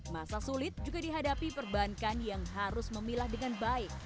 masa sulit juga dihadapi perbankan yang harus memilah dengan baik